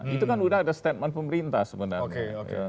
itu kan sudah ada statement pemerintah sebenarnya